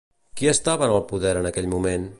Qui estava en el poder en aquell moment?